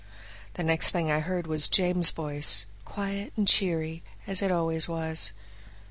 The next thing I heard was James' voice, quiet and cheery, as it always was.